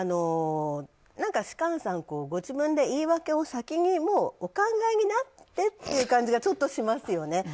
何か芝翫さんご自分で言い訳を先にお考えになってという感じがちょっとしますよね。